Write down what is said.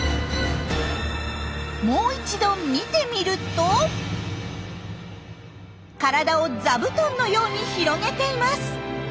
もう一度見てみると体を座布団のように広げています。